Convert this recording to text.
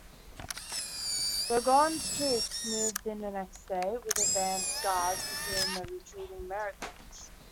Burgoyne's troops moved in the next day, with advance guards pursuing the retreating Americans.